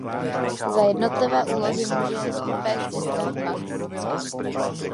Za jednotlivé úlohy může pes získat max.